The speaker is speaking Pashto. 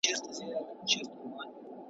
دوه خورجینه `